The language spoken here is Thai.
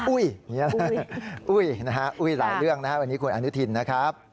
อุ้ยนะฮะอุ้ยหลายเรื่องนะครับวันนี้คุณอนุทินนะครับ